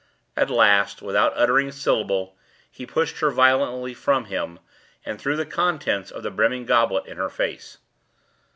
At last, without uttering a syllable, he pushed her violently from him, and threw the contents of the brimming goblet in her face.